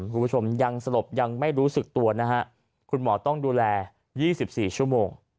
คุณผู้ชมยังสลบยังไม่รู้สึกตัวนะฮะคุณหมอต้องดูแล๒๔ชั่วโมง